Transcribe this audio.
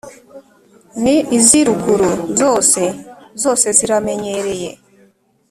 Ni iz’iruguru zose: zose ziramenyereye.